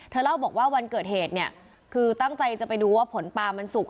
เล่าบอกว่าวันเกิดเหตุเนี่ยคือตั้งใจจะไปดูว่าผลปลามันสุก